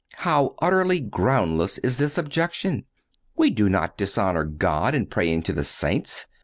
How utterly groundless is this objection! We do not dishonor God in praying to the saints.